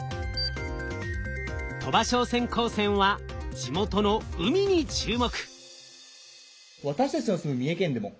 鳥羽商船高専は地元の海に注目。